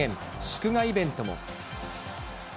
祝賀イベントも。